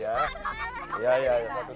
banyak ya senang nih